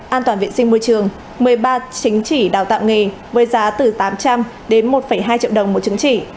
an toàn viện sinh môi trường một mươi ba chứng chỉ đào tạo nghề với giá từ tám trăm linh đến một hai triệu đồng một chứng chỉ